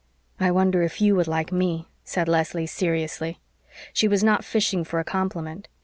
"I wonder if YOU would like ME," said Leslie seriously. She was not fishing for a compliment.